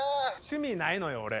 趣味ないのよ俺。